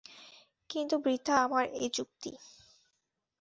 কিন্তু বৃথা আমার এ যুক্তি।